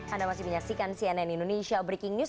anda masih menyaksikan cnn indonesia breaking news